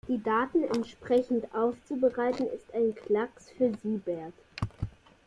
Die Daten entsprechend aufzubereiten, ist ein Klacks für Siebert.